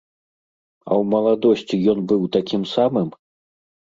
А ў маладосці ён быў такім самым?